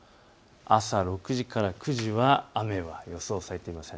朝６時から９時は雨は予想されていません。